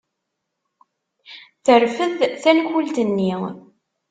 Terfed tankult-nni.